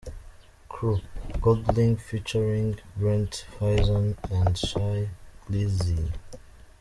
"Crew" — Goldlink Featuring Brent Faiyaz & Shy Glizzy.